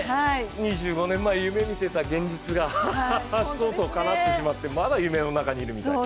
２５年前夢見てた現実がとうとうかなってしまってまだ夢の中にいるみたい。